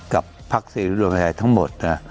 กับภาคเสริมไทยทั้งหมดนะ